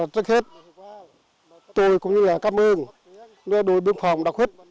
trước hết tôi cũng như là cảm ơn người đội biên phòng đặc huyết